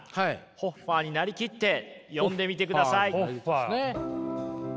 ホッファーになりきって読んでみてください。